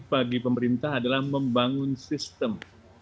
bagi pemerintah adalah membangun sistem